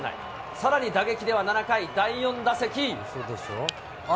さらに打撃では７回、第４打席。